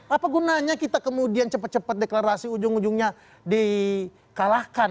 apa gunanya kita kemudian cepat cepat deklarasi ujung ujungnya di kalahkan